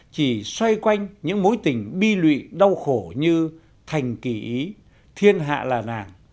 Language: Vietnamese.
chỉ xoay quanh những mối tình bi lụy đau khổ như thành kỳ ý thiên hạ là làng